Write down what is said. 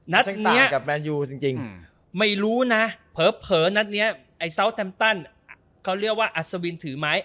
นัดนี้กับแมนยูจริงไม่รู้นะเผลอนัดนี้ไอ้ซาวแทมตันเขาเรียกว่าอัศวินถือไม้